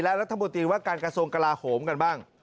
และรัฐมนตรีว่าการกระทรวงกลาโหมกันบ้าง